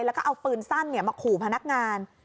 แล้วก็เอาปืนสั้นมาขู่พนักงาน